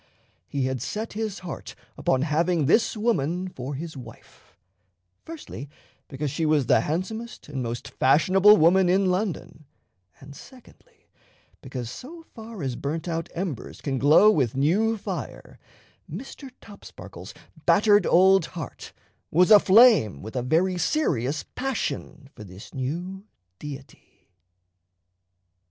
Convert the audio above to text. He had set his heart upon having this woman for his wife firstly, because she was the handsomest and most fashionable woman in London, and secondly, because so far as burnt out embers can glow with new fire, Mr. Topsparkle's battered old heart was aflame with a very serious passion for this new deity.